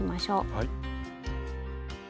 はい。